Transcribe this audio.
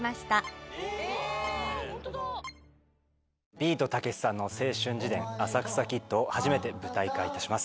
ビートたけしさんの青春自伝「浅草キッド」を初めて舞台化いたします。